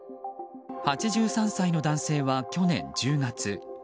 ８３歳の男性は去年１０月